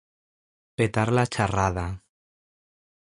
Petar la xerrada.